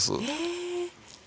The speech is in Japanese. へえ。